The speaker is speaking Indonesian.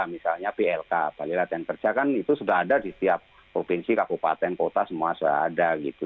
misalnya plk balai latihan kerja kan itu sudah ada di setiap provinsi kabupaten kota semua sudah ada gitu